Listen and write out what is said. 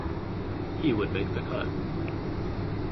He would make the cut.